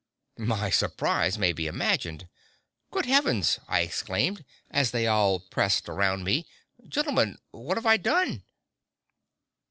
My surprise may be imagined. "Good heavens!" I exclaimed, as they all pressed around me, "gentlemen, what have I done?"